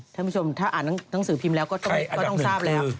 ท่านผู้ชมถ้าอ่านหนังสือพิมพ์แล้วก็ต้องทราบแล้ว